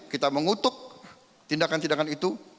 kita mengutuk tindakan tindakan itu